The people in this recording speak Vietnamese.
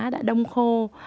đã đông khô